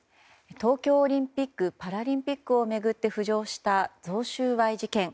東京オリンピック・パラリンピックを巡って浮上した贈収賄事件。